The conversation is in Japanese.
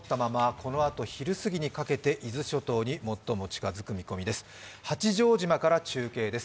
このあと昼過ぎにかけて伊豆諸島に最も近づく見込みです。